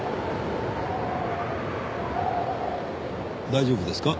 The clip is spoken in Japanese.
大丈夫ですか？